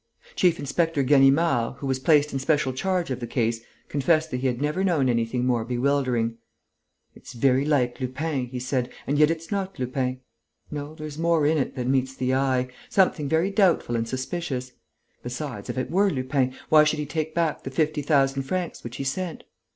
Chief inspector Ganimard, who was placed in special charge of the case, confessed that he had never known anything more bewildering: "It's very like Lupin," he said, "and yet it's not Lupin.... No, there's more in it than meets the eye, something very doubtful and suspicious.... Besides, if it were Lupin, why should he take back the fifty thousand francs which he sent?